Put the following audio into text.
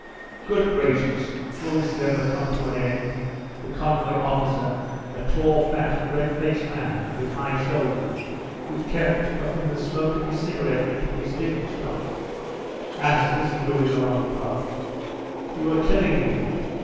"Good gracious, will this never come to an end!" the convoy officer, a tall, fat, red faced man with high shoulders, who kept puffing the smoke, of his cigarette into his thick moustache, asked, as he drew in a long puff. "You are killing me.